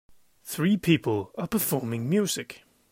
Three people are performing music